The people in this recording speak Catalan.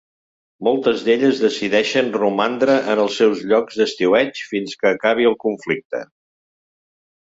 Moltes d'elles decideixen romandre en els seus llocs d'estiueig fins que acabi el conflicte.